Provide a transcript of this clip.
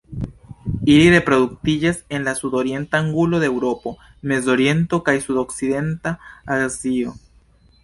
Ili reproduktiĝas en la sudorienta angulo de Eŭropo, Mezoriento kaj sudokcidenta Azio.